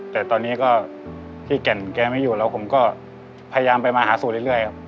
แต่ตอนนี้ก็ที่แก่นแกไม่อยู่แล้วผมก็พยายามไปมาหาสู่เรื่อยครับ